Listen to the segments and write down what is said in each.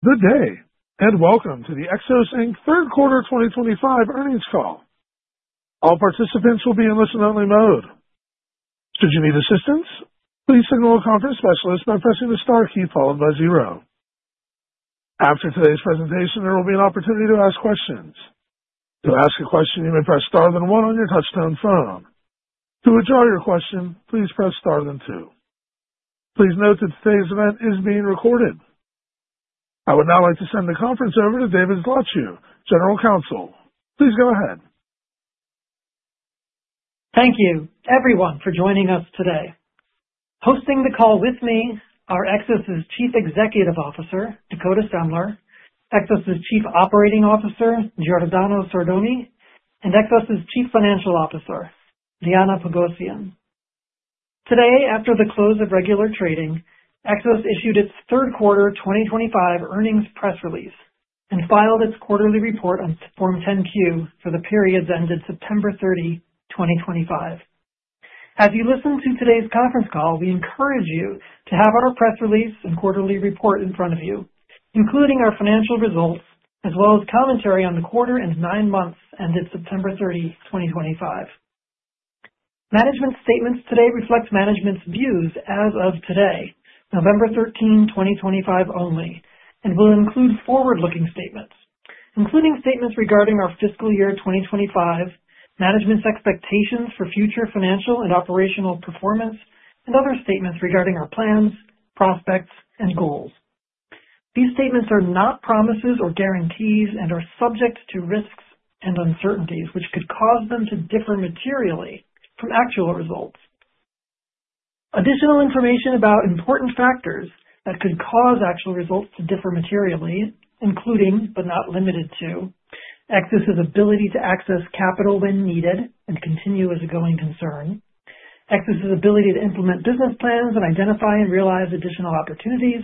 Good day, and welcome to the Xos third quarter 2025 earnings call. All participants will be in listen-only mode. Should you need assistance, please signal a conference specialist by pressing the star key followed by zero. After today's presentation, there will be an opportunity to ask questions. To ask a question, you may press star then one on your touchstone phone. To withdraw your question, please press star then two. Please note that today's event is being recorded. I would now like to send the conference over to David Zlotchew, General Counsel. Please go ahead. Thank you, everyone, for joining us today. Hosting the call with me are Xos' Chief Executive Officer, Dakota Semler, Xos' Chief Operating Officer, Giordano Sordoni, and Xos' Chief Financial Officer, Liana Pogosyan. Today, after the close of regular trading, Xos issued its third quarter 2025 earnings press release and filed its quarterly report on Form 10-Q for the period that ended September 30, 2025. As you listen to today's conference call, we encourage you to have our press release and quarterly report in front of you, including our financial results, as well as commentary on the quarter and nine months ended September 30, 2025. Management statements today reflect management's views as of today, November 13, 2025 only, and will include forward-looking statements, including statements regarding our fiscal year 2025, management's expectations for future financial and operational performance, and other statements regarding our plans, prospects, and goals. These statements are not promises or guarantees and are subject to risks and uncertainties, which could cause them to differ materially from actual results. Additional information about important factors that could cause actual results to differ materially, including but not limited to, Xos' ability to access capital when needed and continue as a going concern, Xos' ability to implement business plans and identify and realize additional opportunities,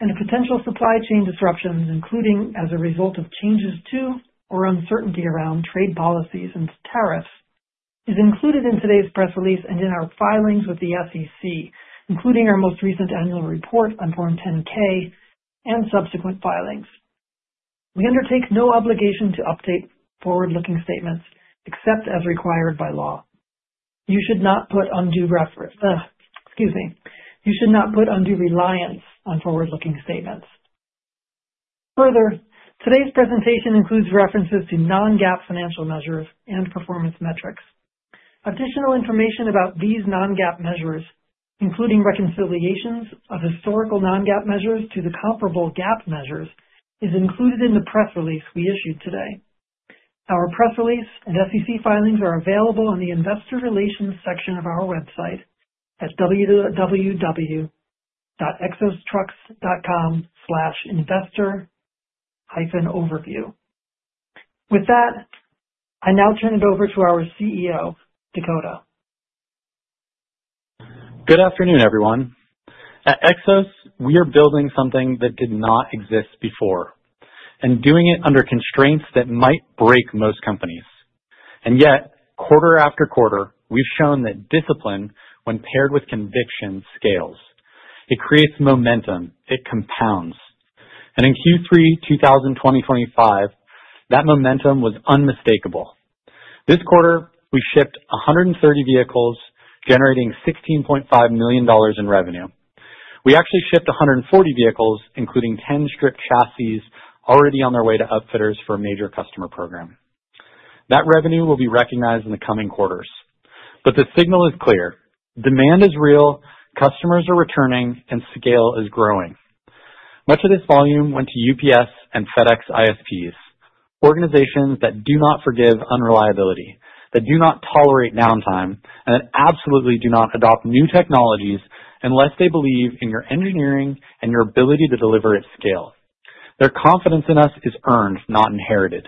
and potential supply chain disruptions, including as a result of changes to or uncertainty around trade policies and tariffs, is included in today's press release and in our filings with the SEC, including our most recent annual report on Form 10-K and subsequent filings. We undertake no obligation to update forward-looking statements except as required by law. You should not put undue—excuse me—you should not put undue reliance on forward-looking statements. Further, today's presentation includes references to non-GAAP financial measures and performance metrics. Additional information about these non-GAAP measures, including reconciliations of historical non-GAAP measures to the comparable GAAP measures, is included in the press release we issued today. Our press release and SEC filings are available in the Investor Relations section of our website at www.exostructs.com/investor-overview. With that, I now turn it over to our CEO, Dakota. Good afternoon, everyone. At Xos, we are building something that did not exist before and doing it under constraints that might break most companies. Yet, quarter after quarter, we've shown that discipline, when paired with conviction, scales. It creates momentum. It compounds. In Q3 2025, that momentum was unmistakable. This quarter, we shipped 130 vehicles, generating $16.5 million in revenue. We actually shipped 140 vehicles, including 10 strip chassis already on their way to outfitters for a major customer program. That revenue will be recognized in the coming quarters. The signal is clear. Demand is real. Customers are returning. Scale is growing. Much of this volume went to UPS and FedEx ISPs, organizations that do not forgive unreliability, that do not tolerate downtime, and that absolutely do not adopt new technologies unless they believe in your engineering and your ability to deliver at scale. Their confidence in us is earned, not inherited.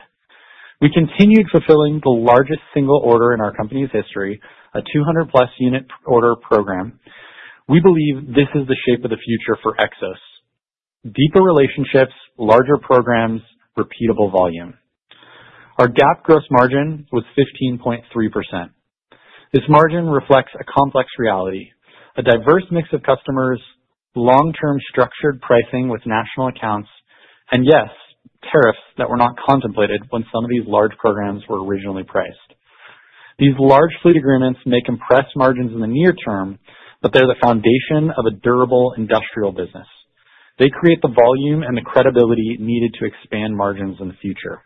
We continued fulfilling the largest single order in our company's history, a 200+ unit order program. We believe this is the shape of the future for Xos: deeper relationships, larger programs, repeatable volume. Our GAAP gross margin was 15.3%. This margin reflects a complex reality: a diverse mix of customers, long-term structured pricing with national accounts, and yes, tariffs that were not contemplated when some of these large programs were originally priced. These large fleet agreements may compress margins in the near term, but they're the foundation of a durable industrial business. They create the volume and the credibility needed to expand margins in the future.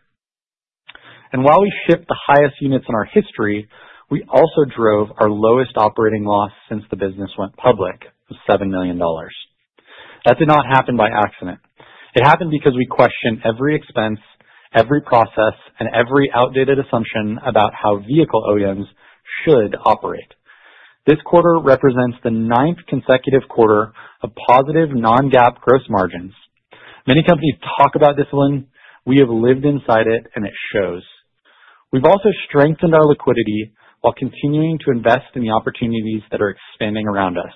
While we shipped the highest units in our history, we also drove our lowest operating loss since the business went public, $7 million. That did not happen by accident. It happened because we questioned every expense, every process, and every outdated assumption about how vehicle OEMs should operate. This quarter represents the ninth consecutive quarter of positive non-GAAP gross margins. Many companies talk about discipline. We have lived inside it, and it shows. We have also strengthened our liquidity while continuing to invest in the opportunities that are expanding around us.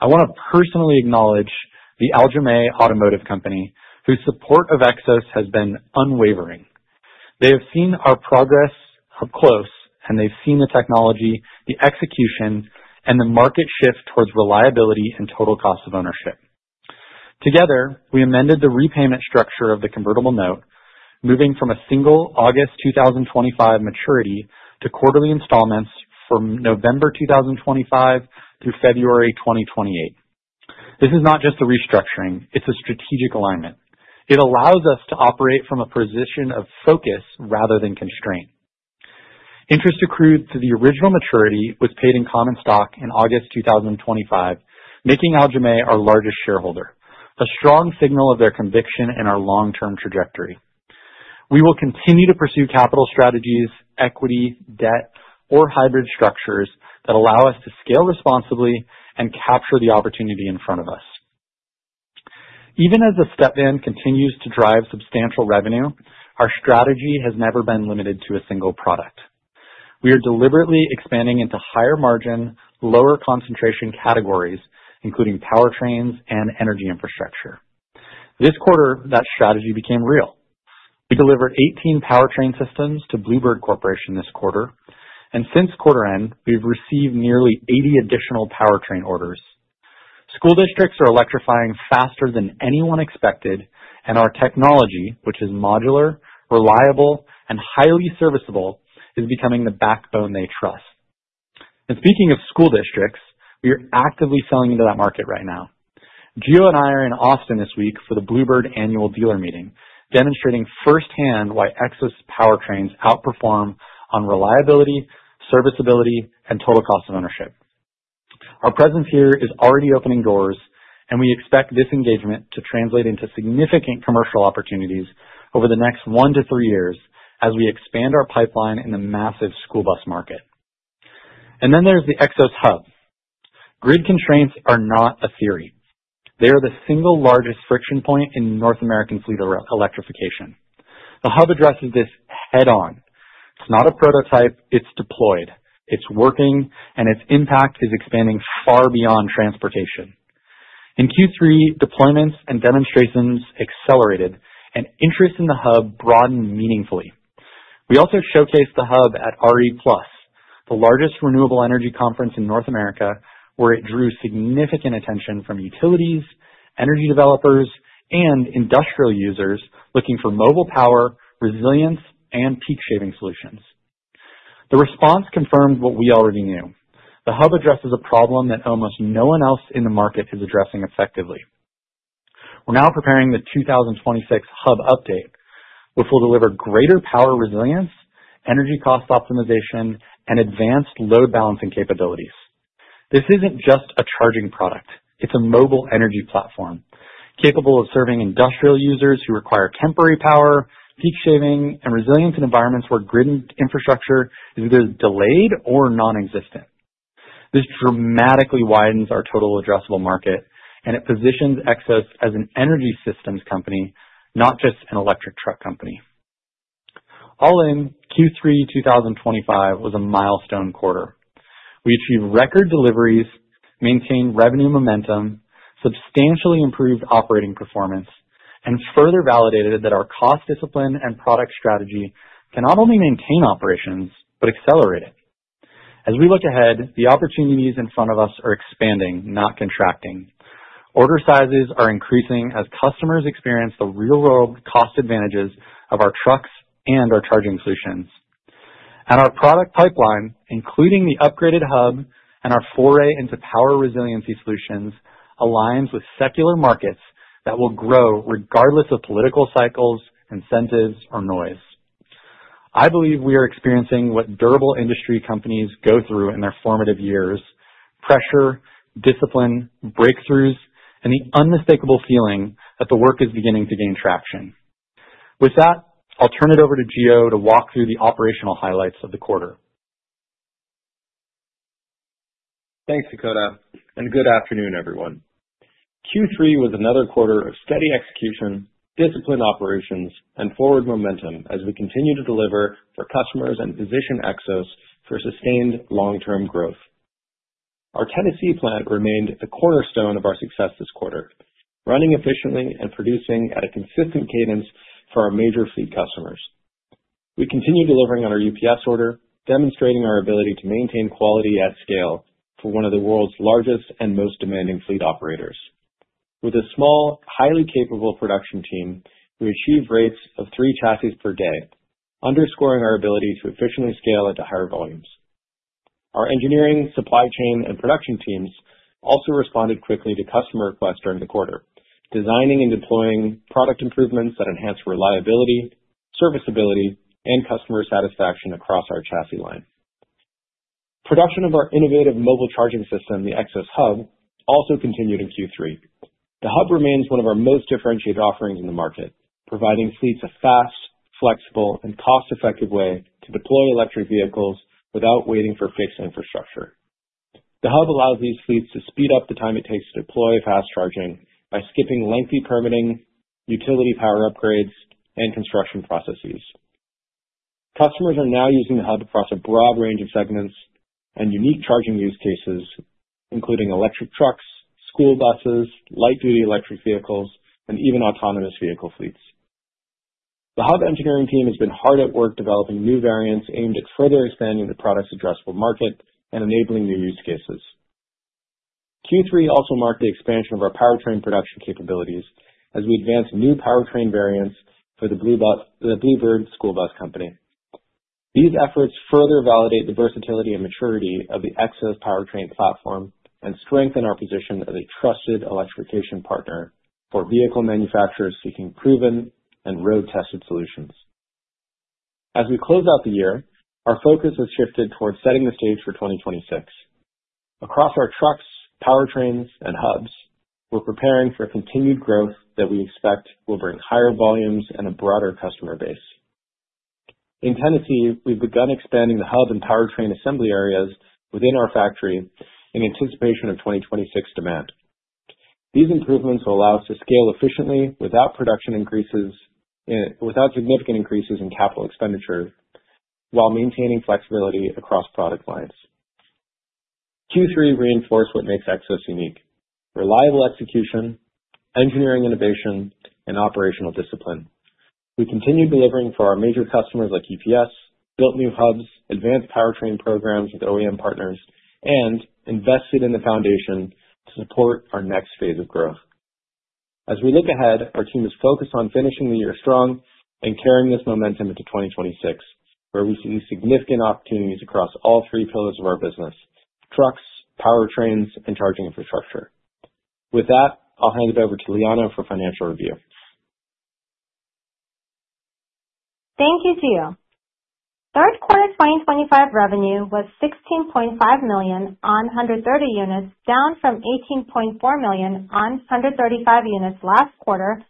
I want to personally acknowledge the Aljomaih Automotive Company, whose support of Xos has been unwavering. They have seen our progress up close, and they have seen the technology, the execution, and the market shift towards reliability and total cost of ownership. Together, we amended the repayment structure of the convertible note, moving from a single August 2025 maturity to quarterly installments from November 2025 through February 2028. This is not just a restructuring. It is a strategic alignment. It allows us to operate from a position of focus rather than constraint. Interest accrued to the original maturity was paid in common stock in August 2025, making Aljomaih our largest shareholder, a strong signal of their conviction and our long-term trajectory. We will continue to pursue capital strategies, equity, debt, or hybrid structures that allow us to scale responsibly and capture the opportunity in front of us. Even as the step-down continues to drive substantial revenue, our strategy has never been limited to a single product. We are deliberately expanding into higher-margin, lower-concentration categories, including powertrains and energy infrastructure. This quarter, that strategy became real. We delivered 18 powertrain systems to Blue Bird Corporation this quarter. Since quarter end, we've received nearly 80 additional powertrain orders. School districts are electrifying faster than anyone expected, and our technology, which is modular, reliable, and highly serviceable, is becoming the backbone they trust. Speaking of school districts, we are actively selling into that market right now. Gio and I are in Austin this week for the Blue Bird annual dealer meeting, demonstrating firsthand why Xos' powertrains outperform on reliability, serviceability, and total cost of ownership. Our presence here is already opening doors, and we expect this engagement to translate into significant commercial opportunities over the next one to three years as we expand our pipeline in the massive school bus market. There is the Xos Hub. Grid constraints are not a theory. They are the single largest friction point in North American fleet electrification. The Hub addresses this head-on. It is not a prototype. It is deployed. It is working. Its impact is expanding far beyond transportation. In Q3, deployments and demonstrations accelerated, and interest in the hub broadened meaningfully. We also showcased the hub at RE+, the largest renewable energy conference in North America, where it drew significant attention from utilities, energy developers, and industrial users looking for mobile power, resilience, and peak-shaving solutions. The response confirmed what we already knew. The hub addresses a problem that almost no one else in the market is addressing effectively. We're now preparing the 2026 hub update, which will deliver greater power resilience, energy cost optimization, and advanced load balancing capabilities. This isn't just a charging product. It's a mobile energy platform capable of serving industrial users who require temporary power, peak shaving, and resilience in environments where grid infrastructure is either delayed or nonexistent. This dramatically widens our total addressable market, and it positions Xos as an energy systems company, not just an electric truck company. All in, Q3 2025 was a milestone quarter. We achieved record deliveries, maintained revenue momentum, substantially improved operating performance, and further validated that our cost discipline and product strategy can not only maintain operations but accelerate it. As we look ahead, the opportunities in front of us are expanding, not contracting. Order sizes are increasing as customers experience the real-world cost advantages of our trucks and our charging solutions. Our product pipeline, including the upgraded hub and our foray into power resiliency solutions, aligns with secular markets that will grow regardless of political cycles, incentives, or noise. I believe we are experiencing what durable industry companies go through in their formative years: pressure, discipline, breakthroughs, and the unmistakable feeling that the work is beginning to gain traction. With that, I'll turn it over to Gio to walk through the operational highlights of the quarter. Thanks, Dakota. Good afternoon, everyone. Q3 was another quarter of steady execution, disciplined operations, and forward momentum as we continue to deliver for customers and position Xos for sustained long-term growth. Our Tennessee plant remained the cornerstone of our success this quarter, running efficiently and producing at a consistent cadence for our major fleet customers. We continue delivering on our UPS order, demonstrating our ability to maintain quality at scale for one of the world's largest and most demanding fleet operators. With a small, highly capable production team, we achieved rates of three chassis per day, underscoring our ability to efficiently scale into higher volumes. Our engineering, supply chain, and production teams also responded quickly to customer requests during the quarter, designing and deploying product improvements that enhance reliability, serviceability, and customer satisfaction across our chassis line. Production of our innovative mobile charging system, the Xos Hub, also continued in Q3. The hub remains one of our most differentiated offerings in the market, providing fleets a fast, flexible, and cost-effective way to deploy electric vehicles without waiting for fixed infrastructure. The hub allows these fleets to speed up the time it takes to deploy fast charging by skipping lengthy permitting, utility power upgrades, and construction processes. Customers are now using the hub across a broad range of segments and unique charging use cases, including electric trucks, school buses, light-duty electric vehicles, and even autonomous vehicle fleets. The hub engineering team has been hard at work developing new variants aimed at further expanding the product's addressable market and enabling new use cases. Q3 also marked the expansion of our powertrain production capabilities as we advanced new powertrain variants for Blue Bird Corporation. These efforts further validate the versatility and maturity of the Xos powertrain platform and strengthen our position as a trusted electrification partner for vehicle manufacturers seeking proven and road-tested solutions. As we close out the year, our focus has shifted towards setting the stage for 2026. Across our trucks, powertrains, and hubs, we're preparing for continued growth that we expect will bring higher volumes and a broader customer base. In Tennessee, we've begun expanding the hub and powertrain assembly areas within our factory in anticipation of 2026 demand. These improvements will allow us to scale efficiently without significant increases in capital expenditure while maintaining flexibility across product lines. Q3 reinforced what makes Xos unique: reliable execution, engineering innovation, and operational discipline. We continue delivering for our major customers like UPS, built new hubs, advanced powertrain programs with OEM partners, and invested in the foundation to support our next phase of growth. As we look ahead, our team is focused on finishing the year strong and carrying this momentum into 2026, where we see significant opportunities across all three pillars of our business: trucks, powertrains, and charging infrastructure. With that, I'll hand it over to Liana for financial review. Thank you, Gio. Third quarter 2025 revenue was $16.5 million on 130 units, down from $18.4 million on 135 units last quarter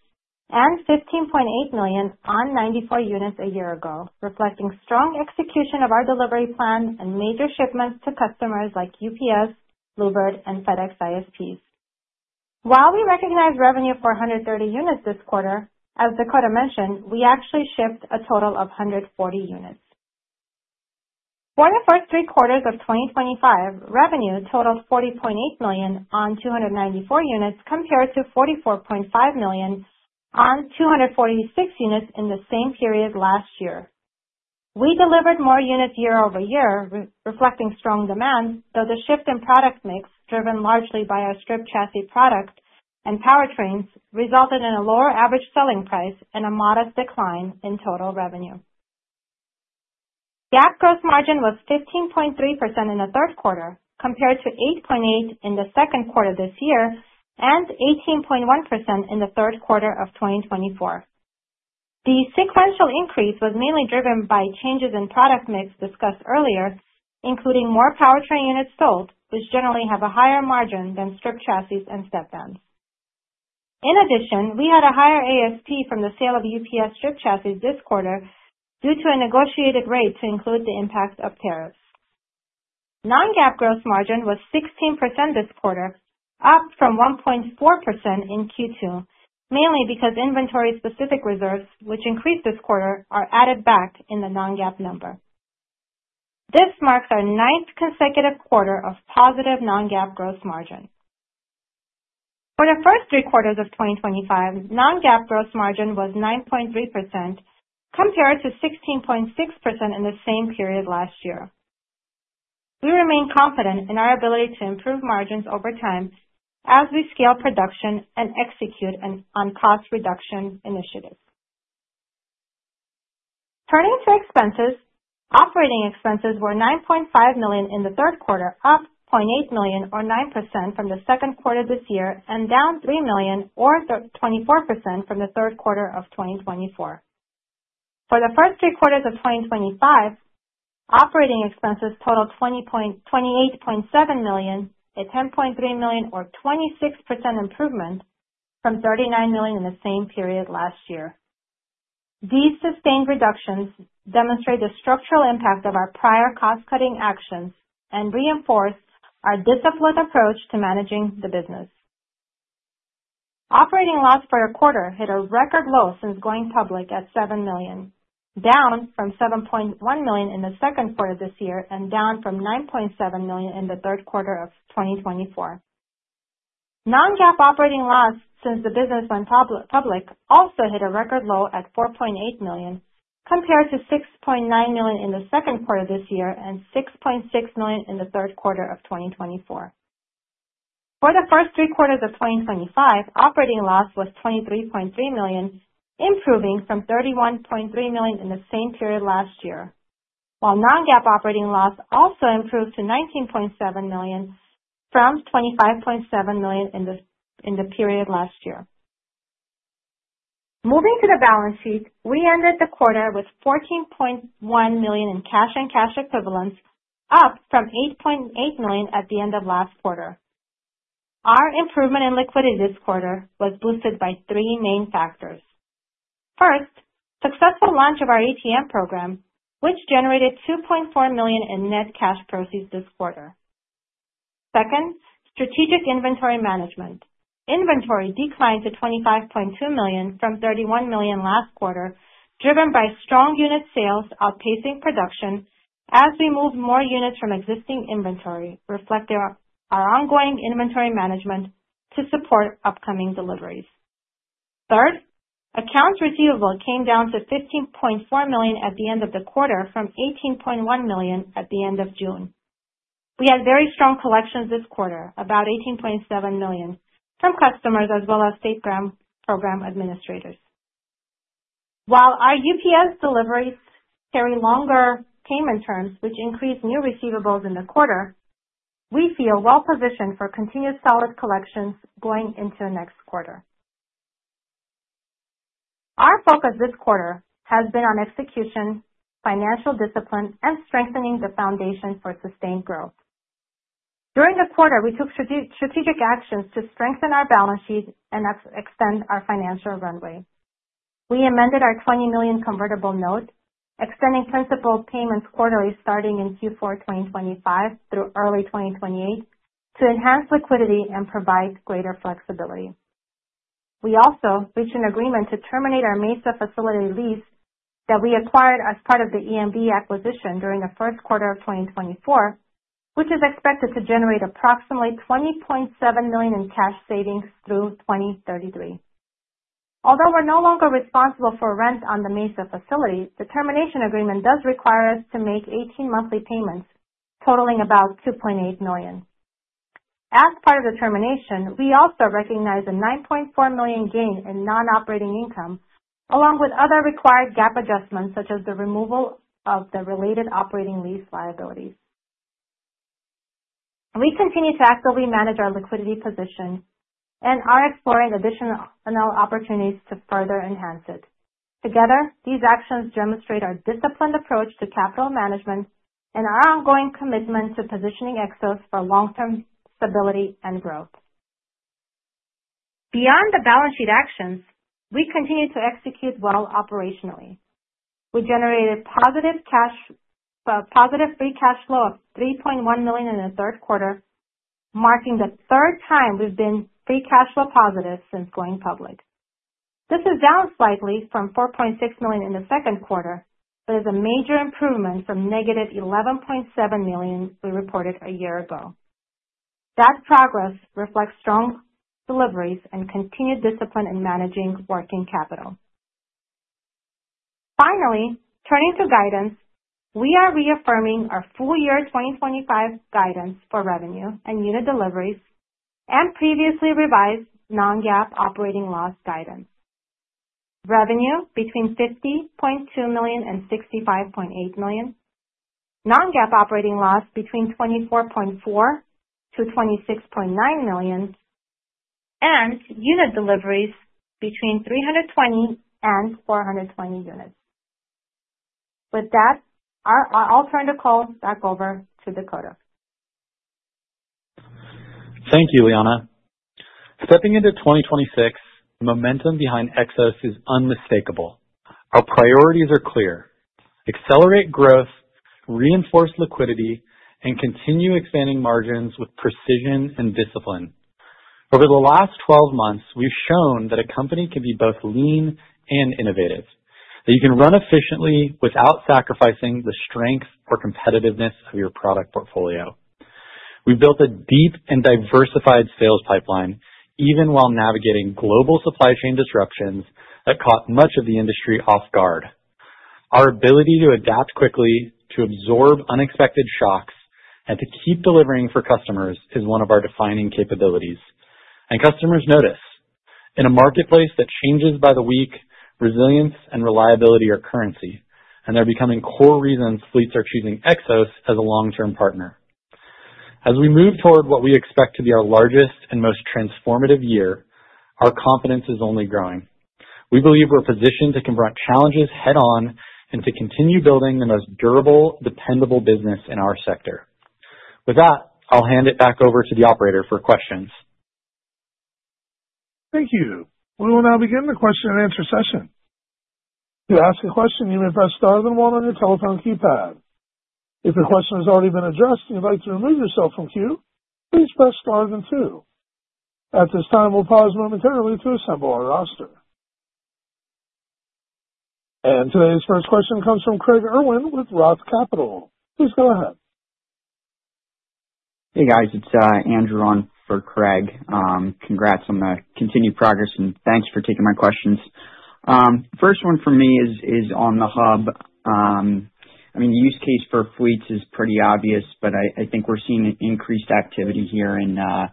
and $15.8 million on 94 units a year ago, reflecting strong execution of our delivery plan and major shipments to customers like UPS, Blue Bird, and FedEx ISPs. While we recognize revenue for 130 units this quarter, as Dakota mentioned, we actually shipped a total of 140 units. For the first three quarters of 2025, revenue totaled $40.8 million on 294 units compared to $44.5 million on 246 units in the same period last year. We delivered more units year over year, reflecting strong demand, though the shift in product mix, driven largely by our strip chassis product and powertrains, resulted in a lower average selling price and a modest decline in total revenue. GAAP gross margin was 15.3% in the third quarter, compared to 8.8% in the second quarter this year and 18.1% in the third quarter of 2024. The sequential increase was mainly driven by changes in product mix discussed earlier, including more powertrain units sold, which generally have a higher margin than strip chassis and step-downs. In addition, we had a higher ASP from the sale of UPS strip chassis this quarter due to a negotiated rate to include the impact of tariffs. Non-GAAP gross margin was 16% this quarter, up from 1.4% in Q2, mainly because inventory-specific reserves, which increased this quarter, are added back in the non-GAAP number. This marks our ninth consecutive quarter of positive non-GAAP gross margin. For the first three quarters of 2025, non-GAAP gross margin was 9.3% compared to 16.6% in the same period last year. We remain confident in our ability to improve margins over time as we scale production and execute on cost reduction initiatives. Turning to expenses, operating expenses were $9.5 million in the third quarter, up $0.8 million, or 9%, from the second quarter this year, and down $3 million, or 24%, from the third quarter of 2024. For the first three quarters of 2025, operating expenses totaled $28.7 million, a $10.3 million, or 26%, improvement from $39 million in the same period last year. These sustained reductions demonstrate the structural impact of our prior cost-cutting actions and reinforce our disciplined approach to managing the business. Operating loss for the quarter hit a record low since going public at $7 million, down from $7.1 million in the second quarter this year and down from $9.7 million in the third quarter of 2024. Non-GAAP operating loss since the business went public also hit a record low at $4.8 million compared to $6.9 million in the second quarter this year and $6.6 million in the third quarter of 2024. For the first three quarters of 2025, operating loss was $23.3 million, improving from $31.3 million in the same period last year, while non-GAAP operating loss also improved to $19.7 million from $25.7 million in the period last year. Moving to the balance sheet, we ended the quarter with $14.1 million in cash and cash equivalents, up from $8.8 million at the end of last quarter. Our improvement in liquidity this quarter was boosted by three main factors. First, successful launch of our ATM program, which generated $2.4 million in net cash proceeds this quarter. Second, strategic inventory management. Inventory declined to $25.2 million from $31 million last quarter, driven by strong unit sales outpacing production as we moved more units from existing inventory, reflecting our ongoing inventory management to support upcoming deliveries. Third, accounts receivable came down to $15.4 million at the end of the quarter from $18.1 million at the end of June. We had very strong collections this quarter, about $18.7 million, from customers as well as state grant program administrators. While our UPS deliveries carry longer payment terms, which increased new receivables in the quarter, we feel well-positioned for continued solid collections going into the next quarter. Our focus this quarter has been on execution, financial discipline, and strengthening the foundation for sustained growth. During the quarter, we took strategic actions to strengthen our balance sheet and extend our financial runway. We amended our $20 million convertible note, extending principal payments quarterly starting in Q4 2025 through early 2028 to enhance liquidity and provide greater flexibility. We also reached an agreement to terminate our Mesa facility lease that we acquired as part of the EMB acquisition during the first quarter of 2024, which is expected to generate approximately $20.7 million in cash savings through 2033. Although we're no longer responsible for rent on the Mesa facility, the termination agreement does require us to make 18 monthly payments totaling about $2.8 million. As part of the termination, we also recognize a $9.4 million gain in non-operating income, along with other required GAAP adjustments such as the removal of the related operating lease liabilities. We continue to actively manage our liquidity position and are exploring additional opportunities to further enhance it. Together, these actions demonstrate our disciplined approach to capital management and our ongoing commitment to positioning Xos for long-term stability and growth. Beyond the balance sheet actions, we continue to execute well operationally. We generated positive free cash flow of $3.1 million in the third quarter, marking the third time we've been free cash flow positive since going public. This is down slightly from $4.6 million in the second quarter, but is a major improvement from -$11.7 million we reported a year ago. That progress reflects strong deliveries and continued discipline in managing working capital. Finally, turning to guidance, we are reaffirming our full year 2025 guidance for revenue and unit deliveries and previously revised non-GAAP operating loss guidance. Revenue between $50.2 million and $65.8 million, non-GAAP operating loss between $24.4 million-$26.9 million, and unit deliveries between 320 and 420 units. With that, I'll turn the call back over to Dakota. Thank you, Liana. Stepping into 2026, the momentum behind Xos is unmistakable. Our priorities are clear: accelerate growth, reinforce liquidity, and continue expanding margins with precision and discipline. Over the last 12 months, we've shown that a company can be both lean and innovative, that you can run efficiently without sacrificing the strength or competitiveness of your product portfolio. We've built a deep and diversified sales pipeline, even while navigating global supply chain disruptions that caught much of the industry off guard. Our ability to adapt quickly, to absorb unexpected shocks, and to keep delivering for customers is one of our defining capabilities. Customers notice, in a marketplace that changes by the week, resilience and reliability are currency, and they're becoming core reasons fleets are choosing Xos as a long-term partner. As we move toward what we expect to be our largest and most transformative year, our confidence is only growing. We believe we're positioned to confront challenges head-on and to continue building the most durable, dependable business in our sector. With that, I'll hand it back over to the operator for questions. Thank you. We will now begin the question-and-answer session. To ask a question, you may press star then one on your telephone keypad. If your question has already been addressed and you'd like to remove yourself from queue, please press star then two. At this time, we'll pause momentarily to assemble our roster. Today's first question comes from Craig Irwin with Roth Capital. Please go ahead. Hey, guys. It's Andrew on for Craig. Congrats on the continued progress, and thanks for taking my questions. First one for me is on the hub. I mean, the use case for fleets is pretty obvious, but I think we're seeing increased activity here in the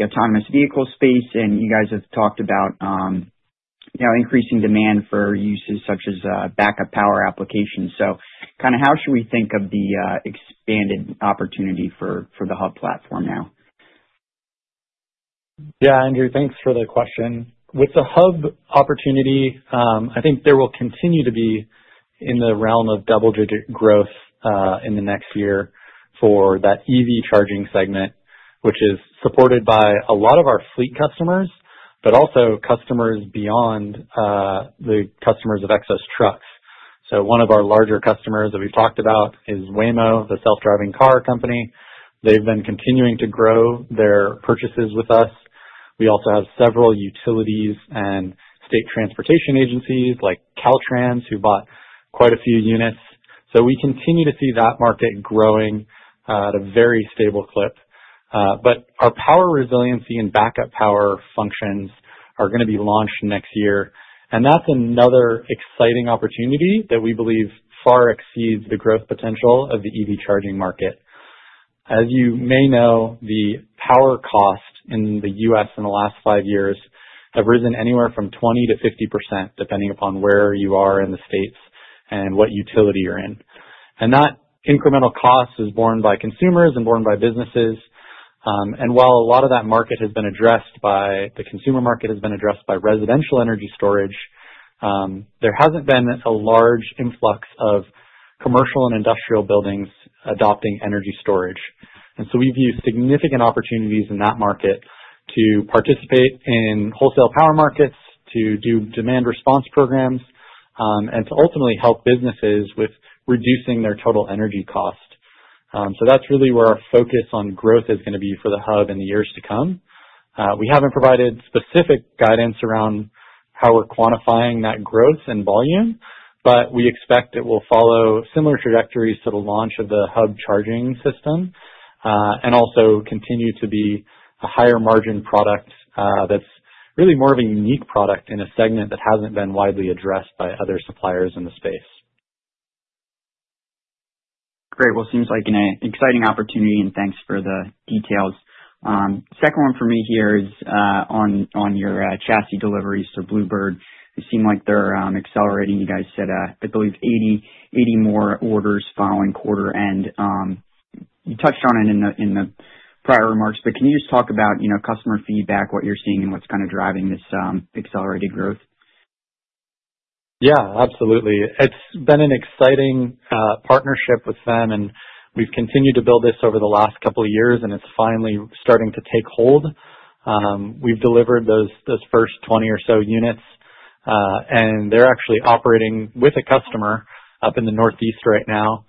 autonomous vehicle space, and you guys have talked about increasing demand for uses such as backup power applications. So kind of how should we think of the expanded opportunity for the hub platform now? Yeah, Andrew, thanks for the question. With the hub opportunity, I think there will continue to be in the realm of double-digit growth in the next year for that EV charging segment, which is supported by a lot of our fleet customers, but also customers beyond the customers of Xos trucks. One of our larger customers that we've talked about is Waymo, the self-driving car company. They've been continuing to grow their purchases with us. We also have several utilities and state transportation agencies like Caltrans, who bought quite a few units. We continue to see that market growing at a very stable clip. Our power resiliency and backup power functions are going to be launched next year, and that's another exciting opportunity that we believe far exceeds the growth potential of the EV charging market. As you may know, the power cost in the U.S. In the last five years has risen anywhere from 20%-50%, depending upon where you are in the States and what utility you're in. That incremental cost is borne by consumers and borne by businesses. While a lot of that market has been addressed by the consumer market, has been addressed by residential energy storage, there hasn't been a large influx of commercial and industrial buildings adopting energy storage. We have used significant opportunities in that market to participate in wholesale power markets, to do demand response programs, and to ultimately help businesses with reducing their total energy cost. That is really where our focus on growth is going to be for the hub in the years to come. We haven't provided specific guidance around how we're quantifying that growth and volume, but we expect it will follow similar trajectories to the launch of the Xos Hub charging system and also continue to be a higher margin product that's really more of a unique product in a segment that hasn't been widely addressed by other suppliers in the space. Great. It seems like an exciting opportunity, and thanks for the details. Second one for me here is on your chassis deliveries to Blue Bird. You seem like they're accelerating. You guys said, I believe, 80 more orders following quarter-end. You touched on it in the prior remarks, but can you just talk about customer feedback, what you're seeing, and what's kind of driving this accelerated growth? Yeah, absolutely. It has been an exciting partnership with them, and we have continued to build this over the last couple of years, and it is finally starting to take hold. We have delivered those first 20 or so units, and they are actually operating with a customer up in the Northeast right now.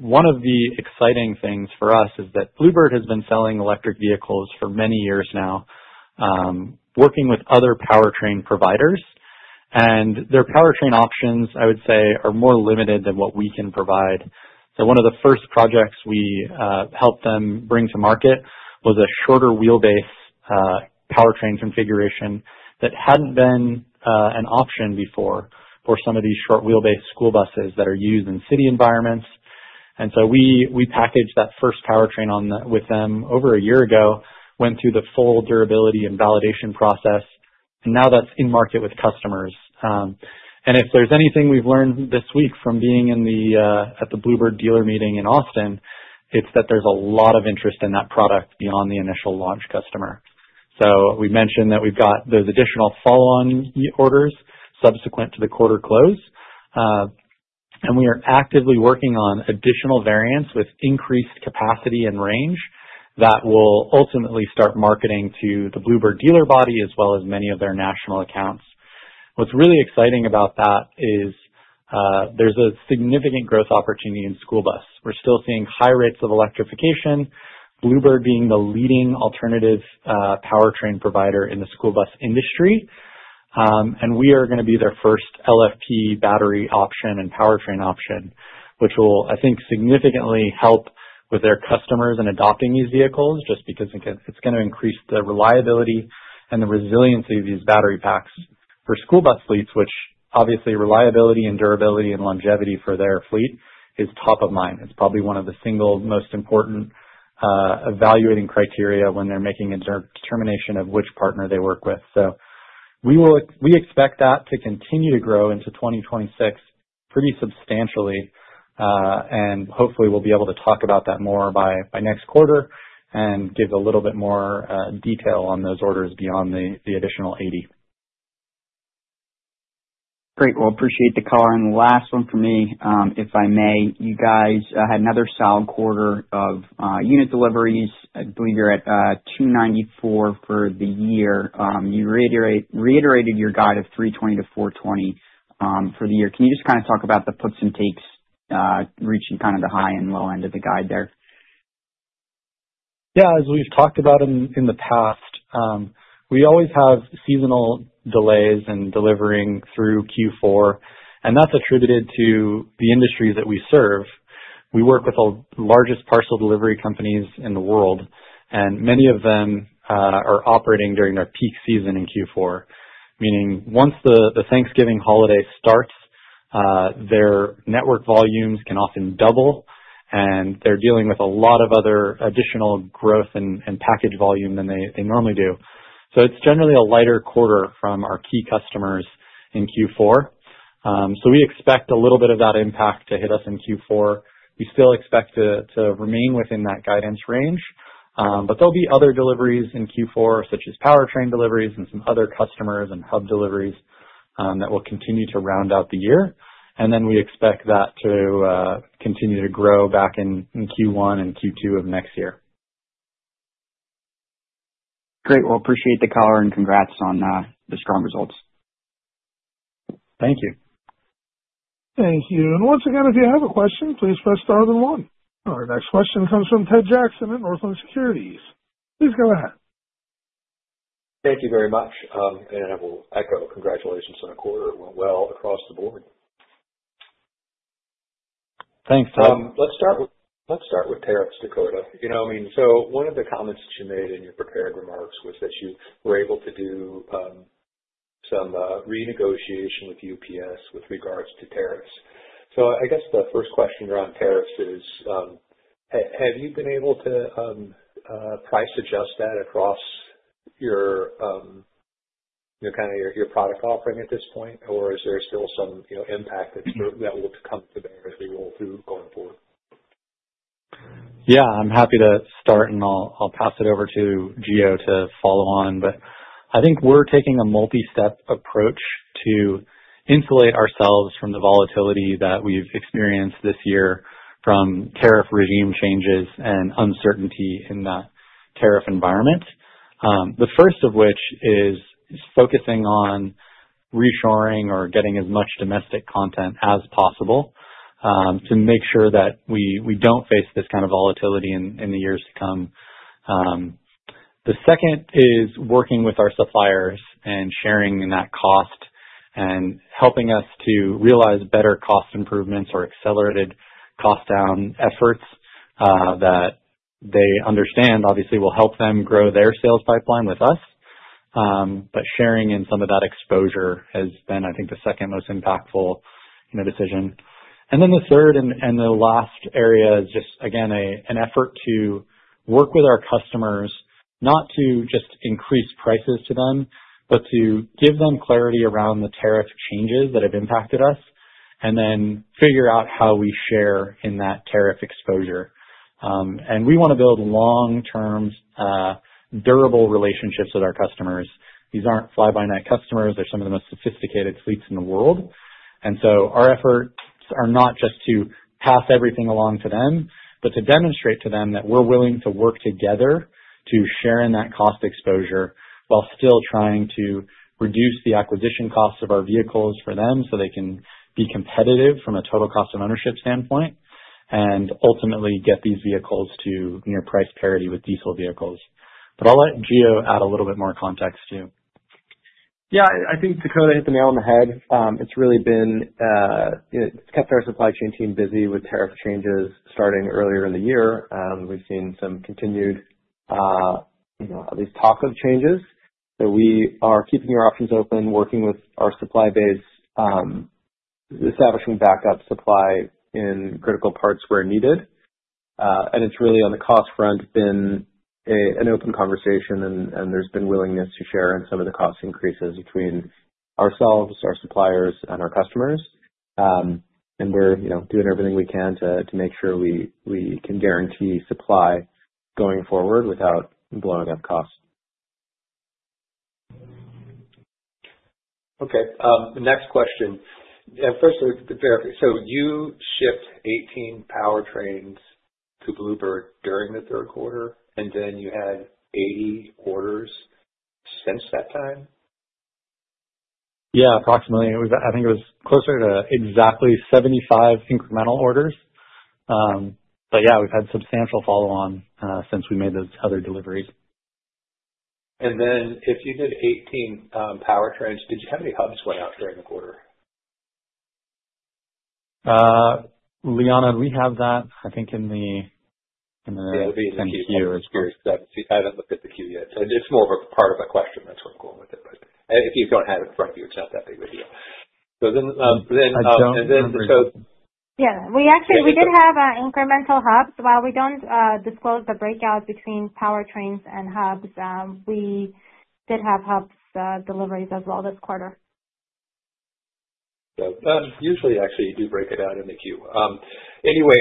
One of the exciting things for us is that Blue Bird has been selling electric vehicles for many years now, working with other powertrain providers. Their powertrain options, I would say, are more limited than what we can provide. One of the first projects we helped them bring to market was a shorter wheelbase powertrain configuration that had not been an option before for some of these short wheelbase school buses that are used in city environments. We packaged that first powertrain with them over a year ago, went through the full durability and validation process, and now that's in market with customers. If there's anything we've learned this week from being at the Blue Bird dealer meeting in Austin, it's that there's a lot of interest in that product beyond the initial launch customer. We mentioned that we've got those additional follow-on orders subsequent to the quarter close, and we are actively working on additional variants with increased capacity and range that will ultimately start marketing to the Blue Bird dealer body as well as many of their national accounts. What's really exciting about that is there's a significant growth opportunity in school bus. We're still seeing high rates of electrification, Blue Bird being the leading alternative powertrain provider in the school bus industry, and we are going to be their first LFP battery option and powertrain option, which will, I think, significantly help with their customers in adopting these vehicles just because it's going to increase the reliability and the resiliency of these battery packs for school bus fleets, which obviously reliability and durability and longevity for their fleet is top of mind. It's probably one of the single most important evaluating criteria when they're making a determination of which partner they work with. We expect that to continue to grow into 2026 pretty substantially, and hopefully we'll be able to talk about that more by next quarter and give a little bit more detail on those orders beyond the additional 80. Great. I appreciate the call. The last one for me, if I may, you guys had another solid quarter of unit deliveries. I believe you're at 294 for the year. You reiterated your guide of 320-420 for the year. Can you just kind of talk about the puts and takes, reaching kind of the high and low end of the guide there? Yeah, as we've talked about in the past, we always have seasonal delays in delivering through Q4, and that's attributed to the industry that we serve. We work with the largest parcel delivery companies in the world, and many of them are operating during their peak season in Q4, meaning once the Thanksgiving holiday starts, their network volumes can often double, and they're dealing with a lot of other additional growth and package volume than they normally do. It is generally a lighter quarter from our key customers in Q4. We expect a little bit of that impact to hit us in Q4. We still expect to remain within that guidance range, but there will be other deliveries in Q4, such as powertrain deliveries and some other customers and hub deliveries that will continue to round out the year. We expect that to continue to grow back in Q1 and Q2 of next year. Great. I appreciate the call and congrats on the strong results. Thank you. Thank you. Once again, if you have a question, please press star then one. Our next question comes from Ted Jackson at Northland Securities. Please go ahead. Thank you very much. I will echo congratulations on a quarter that went well across the board. Thanks, Ted. Let's start with tariffs, Dakota. I mean, one of the comments that you made in your prepared remarks was that you were able to do some renegotiation with UPS with regards to tariffs. I guess the first question around tariffs is, have you been able to price adjust that across kind of your product offering at this point, or is there still some impact that will come to bear as we roll through going forward? Yeah, I'm happy to start, and I'll pass it over to Gio to follow on. I think we're taking a multi-step approach to insulate ourselves from the volatility that we've experienced this year from tariff regime changes and uncertainty in that tariff environment. The first of which is focusing on reshoring or getting as much domestic content as possible to make sure that we don't face this kind of volatility in the years to come. The second is working with our suppliers and sharing in that cost and helping us to realize better cost improvements or accelerated cost-down efforts that they understand, obviously, will help them grow their sales pipeline with us. Sharing in some of that exposure has been, I think, the second most impactful decision. The third and the last area is just, again, an effort to work with our customers, not to just increase prices to them, but to give them clarity around the tariff changes that have impacted us and then figure out how we share in that tariff exposure. We want to build long-term, durable relationships with our customers. These are not fly-by-night customers. They are some of the most sophisticated fleets in the world. Our efforts are not just to pass everything along to them, but to demonstrate to them that we are willing to work together to share in that cost exposure while still trying to reduce the acquisition costs of our vehicles for them so they can be competitive from a total cost of ownership standpoint and ultimately get these vehicles to near-price parity with diesel vehicles. I'll let Gio add a little bit more context too. Yeah, I think Dakota hit the nail on the head. It's really been, it's kept our supply chain team busy with tariff changes starting earlier in the year. We've seen some continued, at least talk of changes. We are keeping our options open, working with our supply base, establishing backup supply in critical parts where needed. It's really on the cost front been an open conversation, and there's been willingness to share in some of the cost increases between ourselves, our suppliers, and our customers. We're doing everything we can to make sure we can guarantee supply going forward without blowing up costs. Okay. Next question. First, so you shipped 18 powertrains to Blue Bird during the third quarter, and then you had 80 orders since that time? Yeah, approximately. I think it was closer to exactly 75 incremental orders. Yeah, we've had substantial follow-on since we made those other deliveries. If you did 18 powertrains, did you have any hubs went out during the quarter? Liana, we have that, I think, in the. Yeah, it'll be in the Q. I haven't looked at the Q yet. It's more of a part of a question. That's what I'm going with it. If you don't have it in front of you, it's not that big of a deal. And then Dakota. Yeah. We did have incremental hubs. While we do not disclose the breakout between powertrains and hubs, we did have hubs deliveries as well this quarter. Usually, actually, you do break it out in the Q. Anyway,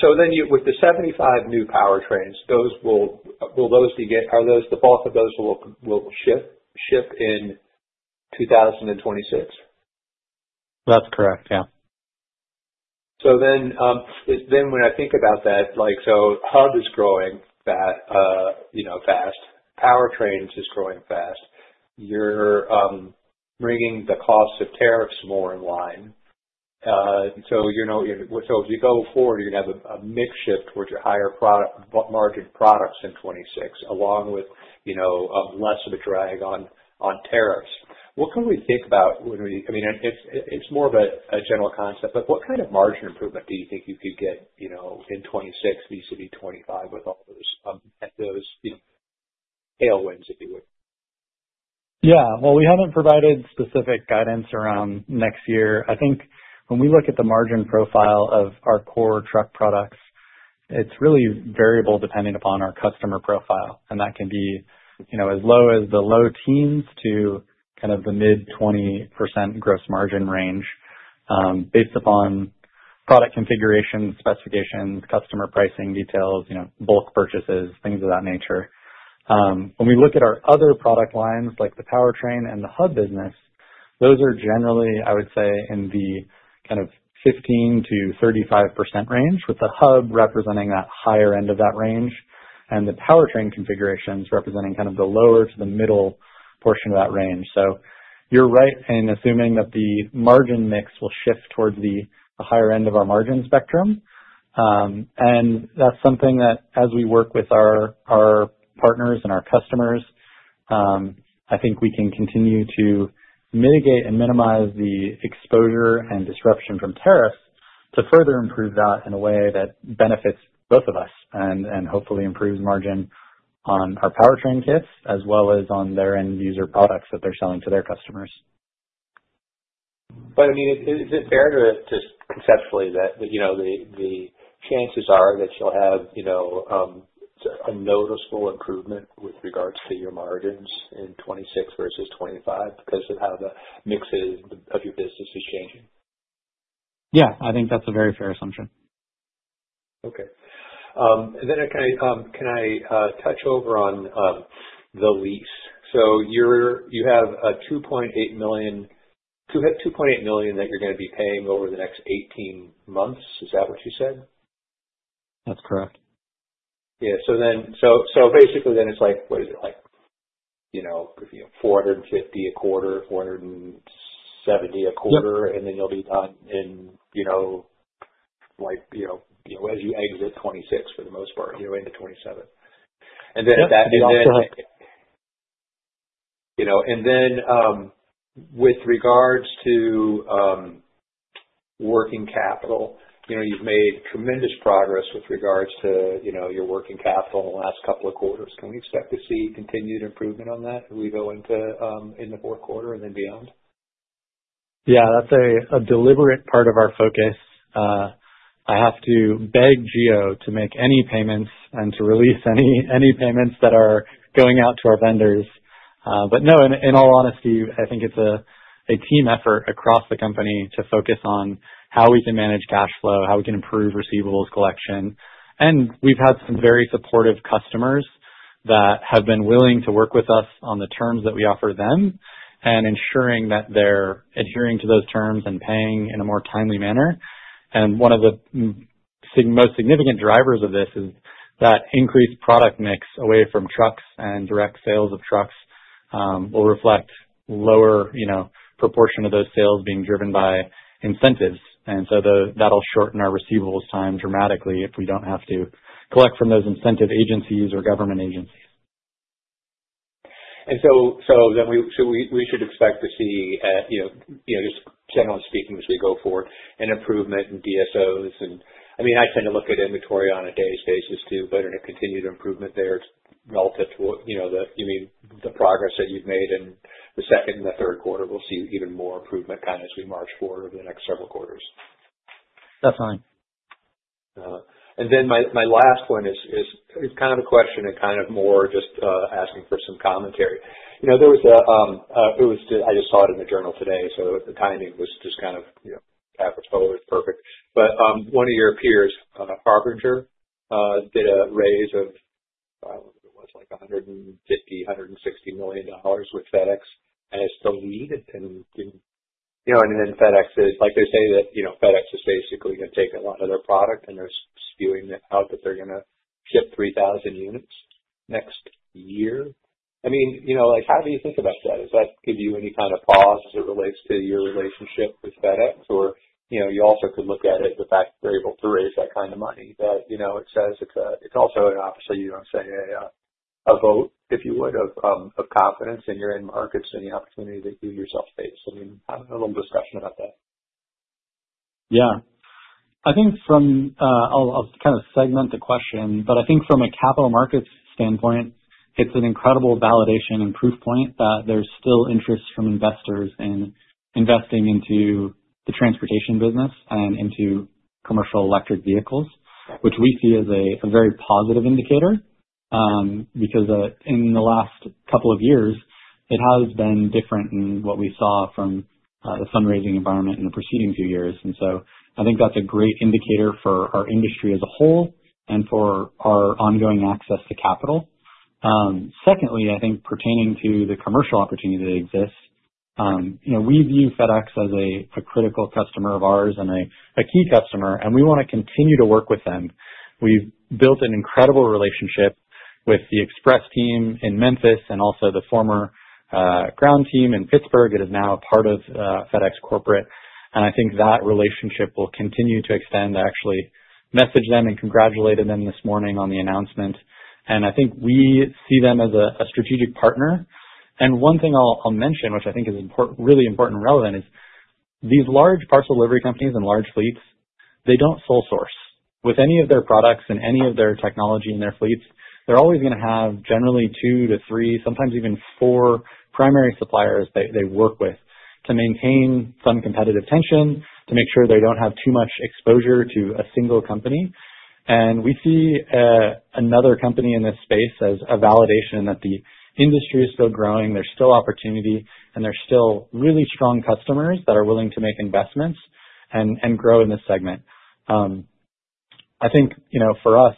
so then with the 75 new powertrains, will those be, are those, the bulk of those will ship in 2026? That's correct. Yeah. When I think about that, hub is growing fast. Powertrains is growing fast. You're bringing the cost of tariffs more in line. If you go forward, you're going to have a mix shift towards your higher margin products in 2026, along with less of a drag on tariffs. What can we think about when we, I mean, it's more of a general concept, but what kind of margin improvement do you think you could get in 2026, versus 2025, with those tailwinds, if you would? Yeah. We haven't provided specific guidance around next year. I think when we look at the margin profile of our core truck products, it's really variable depending upon our customer profile. That can be as low as the low teens to kind of the mid 20% gross margin range based upon product configuration, specifications, customer pricing details, bulk purchases, things of that nature. When we look at our other product lines, like the powertrain and the hub business, those are generally, I would say, in the kind of 15%-35% range, with the hub representing that higher end of that range, and the powertrain configurations representing kind of the lower to the middle portion of that range. You're right in assuming that the margin mix will shift towards the higher end of our margin spectrum. That is something that, as we work with our partners and our customers, I think we can continue to mitigate and minimize the exposure and disruption from tariffs to further improve that in a way that benefits both of us and hopefully improves margin on our powertrain kits as well as on their end-user products that they are selling to their customers. I mean, is it fair to just conceptually that the chances are that you'll have a noticeable improvement with regards to your margins in 2026 versus 2025 because of how the mix of your business is changing? Yeah. I think that's a very fair assumption. Okay. Can I touch over on the lease? You have $2.8 million that you're going to be paying over the next 18 months. Is that what you said? That's correct. Yeah. So basically, then it's like, what is it? Like $450,000 a quarter, $470,000 a quarter, and then you'll be done in as you exit 2026 for the most part, into 2027. And then that. That's exactly right. With regards to working capital, you've made tremendous progress with regards to your working capital in the last couple of quarters. Can we expect to see continued improvement on that as we go into the fourth quarter and then beyond? Yeah. That's a deliberate part of our focus. I have to beg Gio to make any payments and to release any payments that are going out to our vendors. No, in all honesty, I think it's a team effort across the company to focus on how we can manage cash flow, how we can improve receivables collection. We've had some very supportive customers that have been willing to work with us on the terms that we offer them and ensuring that they're adhering to those terms and paying in a more timely manner. One of the most significant drivers of this is that increased product mix away from trucks and direct sales of trucks will reflect a lower proportion of those sales being driven by incentives. That'll shorten our receivables time dramatically if we don't have to collect from those incentive agencies or government agencies. We should expect to see, just generally speaking, as we go forward, an improvement in DSOs. I mean, I tend to look at inventory on a daily basis too, but a continued improvement there relative to what you mean, the progress that you've made in the second and the third quarter. We'll see even more improvement kind of as we march forward over the next several quarters. That's fine. My last one is kind of a question and kind of more just asking for some commentary. There was a—I just saw it in the journal today, so the timing was just kind of average forward, perfect. One of your peers, Harbinger, did a raise of—I do not know what it was, like $150 million-$160 million with FedEx. It is the lead. FedEx is, like they say, that FedEx is basically going to take a lot of their product, and they are spewing out that they are going to ship 3,000 units next year. I mean, how do you think about that? Does that give you any kind of pause as it relates to your relationship with FedEx? Or you also could look at it, the fact that they're able to raise that kind of money, that it says it's also an opportunity to say a vote, if you would, of confidence in your end markets and the opportunity that you yourself face. I mean, have a little discussion about that. Yeah. I think from—I'll kind of segment the question, but I think from a capital markets standpoint, it's an incredible validation and proof point that there's still interest from investors in investing into the transportation business and into commercial electric vehicles, which we see as a very positive indicator because in the last couple of years, it has been different in what we saw from the fundraising environment in the preceding few years. I think that's a great indicator for our industry as a whole and for our ongoing access to capital. Secondly, I think pertaining to the commercial opportunity that exists, we view FedEx as a critical customer of ours and a key customer, and we want to continue to work with them. We've built an incredible relationship with the Express team in Memphis and also the former ground team in Pittsburgh. It is now a part of FedEx Corporate. I think that relationship will continue to extend. I actually messaged them and congratulated them this morning on the announcement. I think we see them as a strategic partner. One thing I'll mention, which I think is really important and relevant, is these large parcel delivery companies and large fleets, they do not sole source with any of their products and any of their technology in their fleets. They are always going to have generally two to three, sometimes even four primary suppliers that they work with to maintain some competitive tension, to make sure they do not have too much exposure to a single company. We see another company in this space as a validation that the industry is still growing, there's still opportunity, and there's still really strong customers that are willing to make investments and grow in this segment. I think for us,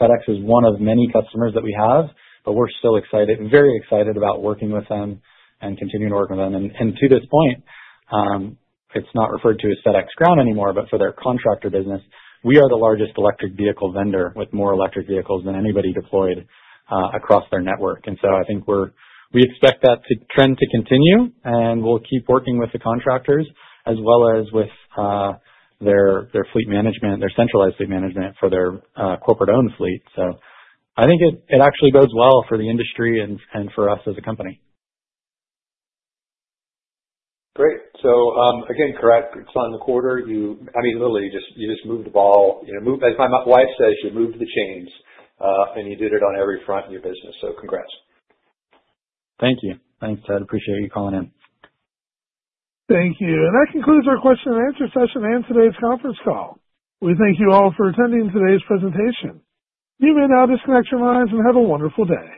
FedEx is one of many customers that we have, but we're still excited, very excited about working with them and continuing to work with them. To this point, it's not referred to as FedEx Ground anymore, but for their contractor business, we are the largest electric vehicle vendor with more electric vehicles than anybody deployed across their network. I think we expect that trend to continue, and we'll keep working with the contractors as well as with their fleet management, their centralized fleet management for their corporate-owned fleet. I think it actually bodes well for the industry and for us as a company. Great. So again, correct. On the quarter, I mean, literally, you just moved the ball. As my wife says, you moved the chains, and you did it on every front in your business. So congrats. Thank you. Thanks, Ted. Appreciate you calling in. Thank you. That concludes our question and answer session and today's conference call. We thank you all for attending today's presentation. You may now disconnect your lines and have a wonderful day.